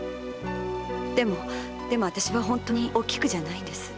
でも私は本当に“おきく”じゃないんです。